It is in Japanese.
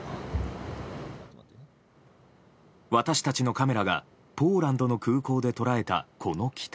私たちのカメラがポーランドの空港で捉えたこの機体。